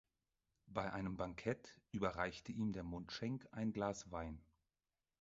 Bei einem Bankett überreichte ihm der Mundschenk ein Glas Wein.